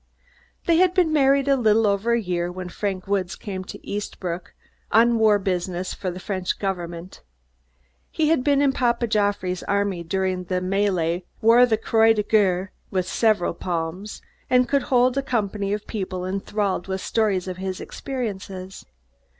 They had been married a little over a year when Frank Woods came to Eastbrook on war business for the French Government. He had been in Papa Joffre's Army during part of the mêlée, wore the Croix de Guerre with several palms, and could hold a company of people enthralled with stories of his experiences.